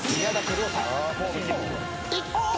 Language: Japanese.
いった！